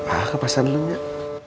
ah kepasa dulu nek